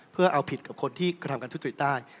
เพื่อเอาผิดกับคนที่กระทำการทุจริตได้